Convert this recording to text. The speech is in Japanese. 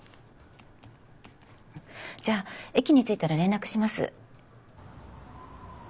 うんじゃあ駅に着いたら連絡します。